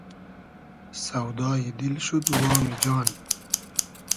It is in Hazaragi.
سۆدای دیل شود وامی جان